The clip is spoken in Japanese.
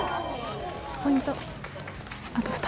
ポイント。